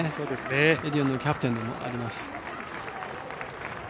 エディオンのキャプテンでもあります。